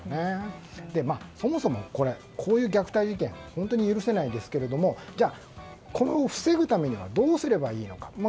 そもそも、こういう虐待事件許せないですけどじゃあ、これを防ぐためにはどうすればいいのか。